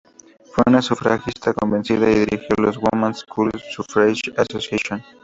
Fue una sufragista convencida y dirigió la Woman's School Suffrage Association.